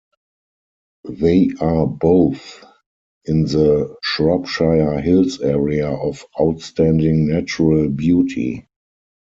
They are both in the Shropshire Hills Area of Outstanding Natural Beauty.